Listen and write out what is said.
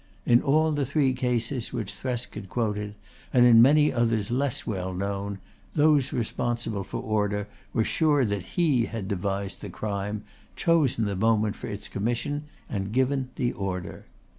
In all the three cases which Thresk had quoted and in many others less well known those responsible for order were sure that he had devised the crime, chosen the moment for its commission and given the order.